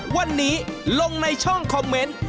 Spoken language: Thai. วันนี้ลงในช่องคอมเมนต์